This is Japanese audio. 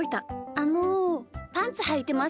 あのパンツはいてますか？